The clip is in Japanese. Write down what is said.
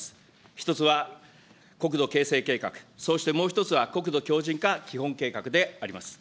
１つは、国土形成計画、そうしてもう１つは国土強じん化基本計画であります。